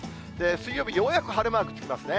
水曜日、ようやく晴れマークつきますね。